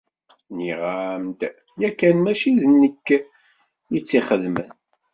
Nniɣ-am-d yakan mačči d nekk i tt-ixedmen.